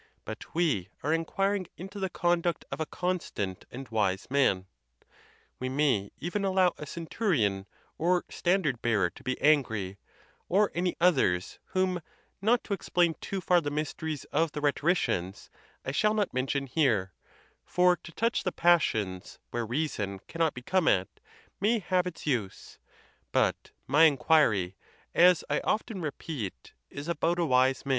But we are inquiring into the conduct of a constant and wise man. We may even allow a centurion or standard bearer to be angry, or any others, whom, not to explain too far the mysteries of the rhetoricians, I shall not men tion here; for to touch the passions, where reason cannot be come at, may have its use; but my inquiry, as I often repeat, is about a wise man.